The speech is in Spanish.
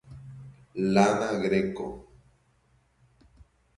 Lana Greco.